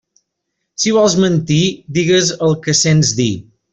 Si vols mentir, digues el que sents dir.